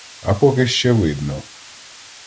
А поки ще видно!